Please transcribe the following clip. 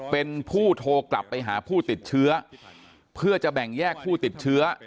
เป็นผู้โทรกลับไปหาผู้ติดเชื้อเพื่อจะแบ่งแยกผู้ติดเชื้อ